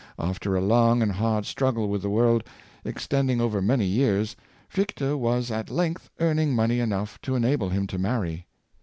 After a long and hard struggle with the world, extending over many years, Fichte was at length earning money enough to enable him to marry.